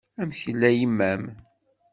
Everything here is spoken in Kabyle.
Amek tella yemma-m?